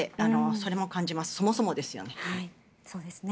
そもそもですよね。